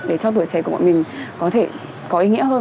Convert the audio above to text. để cho tuổi trẻ của bọn mình có ý nghĩa hơn